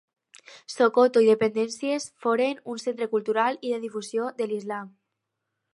Sokoto i dependències foren un centre cultural i de difusió de l'islam.